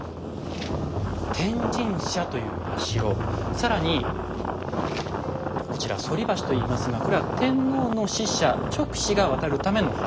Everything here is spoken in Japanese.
更にこちら「反橋」と言いますがこれは天皇の使者勅使が渡るための橋。